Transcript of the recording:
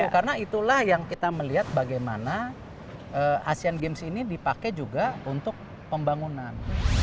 karena itulah yang kita melihat bagaimana asean games ini dipakai juga untuk pembangunan